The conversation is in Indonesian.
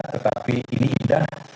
tetapi ini indah